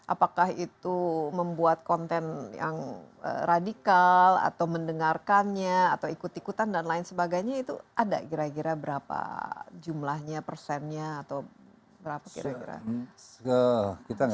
apakah itu membuat konten yang radikal atau mendengarkannya atau ikut ikutan dan lain sebagainya itu ada kira kira berapa jumlahnya persennya atau berapa kira kira